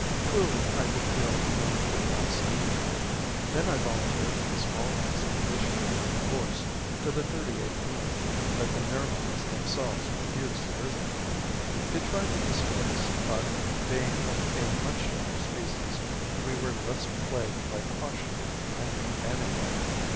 Truly I could feel among the blessed. Then I volunteered for the small expeditionary force to the 38th moon that the Nirvans themselves refused to visit. They tried to dissuade us but, being of a much younger species, we were less plagued by caution and went anyway.